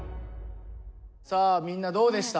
さあみんなどうでした？